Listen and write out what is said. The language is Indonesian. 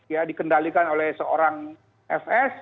ya dikendalikan oleh seorang fs